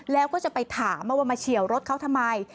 แล้วก็จะไปถามว่ามาเฉียวรถเขาทำไม